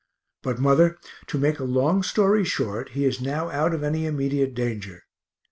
But, mother, to make a long story short, he is now out of any immediate danger.